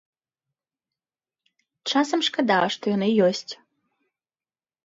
Часам шкада, што яны ёсць.